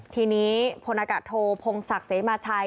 ทีนี้พลอากาศโทพงศักดิ์เสมาชัย